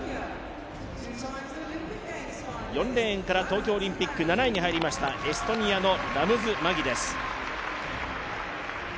４レーンから東京オリンピック７位に入りましたエストニアのラムズ・マギです。